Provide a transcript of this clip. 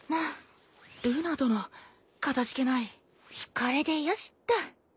これでよしっと。